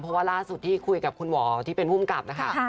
เพราะว่าล่าสุดที่คุยกับคุณหมอที่เป็นภูมิกับนะคะ